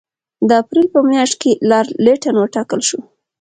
د اپرېل په میاشت کې لارډ لیټن وټاکل شو.